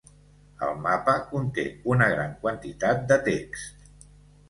El mapa conté una gran quantitat de text.